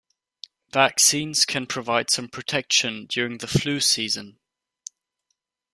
Vaccines can provide some protection during flu season.